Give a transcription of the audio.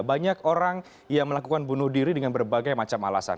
banyak orang yang melakukan bunuh diri dengan berbagai macam alasan